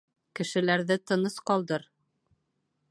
Кешеләрҙе тыныс ҡалдыр.